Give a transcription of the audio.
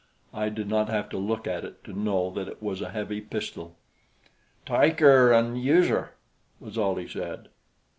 I did not have to look at it to know that it was a heavy pistol. "Tyke 'er an' use 'er," was all he said.